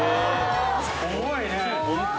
重いね。